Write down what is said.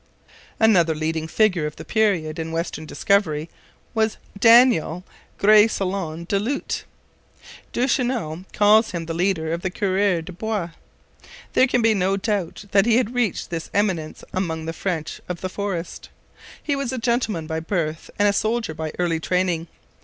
Another leading figure of the period in western discovery was Daniel Greysolon du Lhut. Duchesneau calls him the leader of the coureurs de bois. There can be no doubt that he had reached this eminence among the French of the forest. He was a gentleman by birth and a soldier by early training.